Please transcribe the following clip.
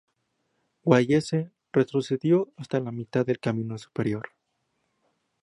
Wallace retrocedió hasta la mitad del camino superior.